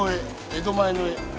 江戸前の「江」。